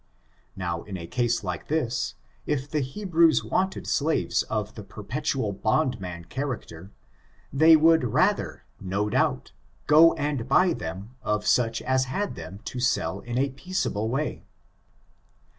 Now, in a cas(^ like Mt.v, if the Hebrews wanted slaves of the perpetual bondnuin character, they would rather, no doubt, go and buy them of such as had them to sell in a peaceable way.